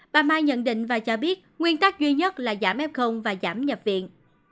bà mai nhận định và cho biết nguyên tắc duy nhất là giảm f và giảm nhập viện